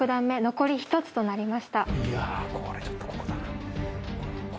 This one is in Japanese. いやこれちょっとここだな。